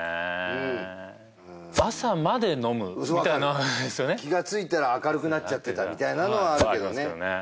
うん朝まで飲むみたいのは分かる気がついたら明るくなっちゃってたみたいなのはあるけどねあるんすけどね